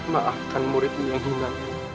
maafkan muridmu yang hina